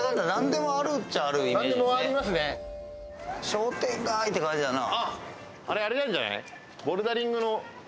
商店街って感じだな。